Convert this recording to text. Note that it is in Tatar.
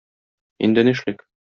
Инде нишлик?